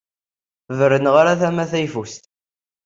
Berneɣ ar tama tayeffust.